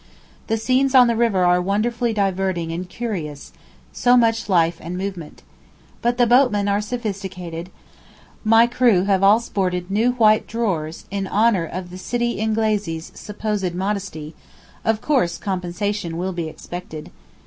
The scenes on the river are wonderfully diverting and curious, so much life and movement. But the boatmen are sophisticated; my crew have all sported new white drawers in honour of the Sitti Ingleezee's supposed modesty—of course compensation will be expected.